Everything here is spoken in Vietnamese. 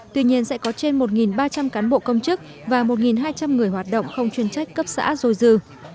tuy nhiên sẽ có trên một ba trăm linh cán bộ công chức và một hai trăm linh người hoạt động không chuyên trách cấp xã dôi dư